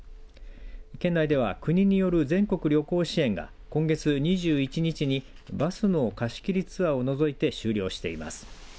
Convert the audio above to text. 県内では国による全国旅行支援が今月２１日にバスの貸し切りツアーを除いて終了しています。